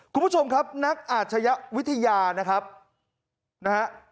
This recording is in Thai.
คุณผู้ชมครับนักอาชญวิทยานะครับนะฮะ